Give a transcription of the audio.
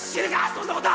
そんなこと。